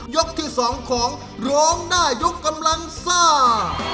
ที่๒ของร้องได้ยกกำลังซ่า